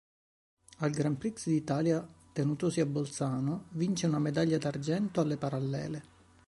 Al Grand Prix d'Italia, tenutosi a Bolzano, vince una medaglia d'argento alle parallele.